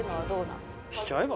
着ちゃえば？